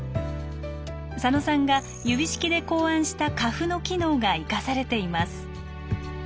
佐野さんが指式で考案したカフの機能が生かされています。